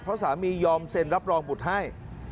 เพราะสามียอมเซ็นรับรองบุตรให้